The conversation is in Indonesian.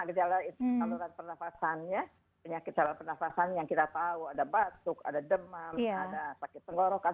gejala itu saluran pernafasannya penyakit saluran pernafasan yang kita tahu ada batuk ada demam ada sakit tenggorokan